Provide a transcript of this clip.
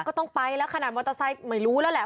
ก็ต้องไปแล้วขนาดมอเตอร์ไซค์ไม่รู้แล้วแหละ